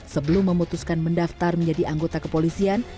sebelum memutuskan mendaftar menjadi anggota kepolisian